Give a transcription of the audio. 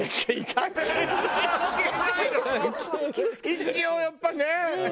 一応やっぱね。